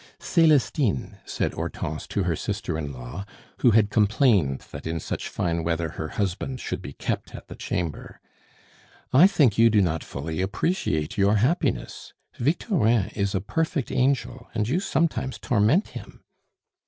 "Celestine," said Hortense to her sister in law, who had complained that in such fine weather her husband should be kept at the Chamber, "I think you do not fully appreciate your happiness. Victorin is a perfect angel, and you sometimes torment him."